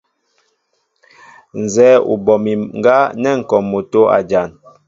Nzɛ́ɛ́ ú bɔ mi ŋgá nɛ́ ŋ̀ kɔ motó a jan.